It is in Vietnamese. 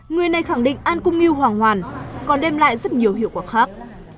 người này khẳng định ăn cung niu hoàng hoàn còn đem lại rất nhiều hiệu quả khác